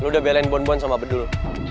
lu udah belain bonbon sama bedul